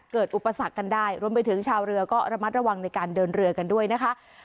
อุปสรรคกันได้รวมไปถึงชาวเรือก็ระมัดระวังในการเดินเรือกันด้วยนะคะ